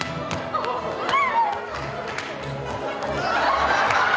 うわ！